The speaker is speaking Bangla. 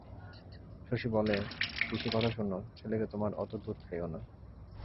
শশী বলে, পিসি কথা শোনো, ছেলেকে তোমার অত দুধ খাইও না।